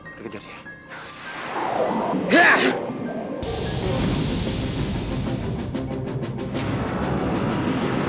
kita kejar dia